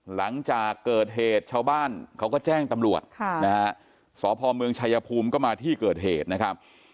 หลังจากเกิดเหตุชาวบ้านเขาก็แจ้งตำรวจนะฮะสพเมืองชายภูมิก็มาที่เกิดเหตุนะครับ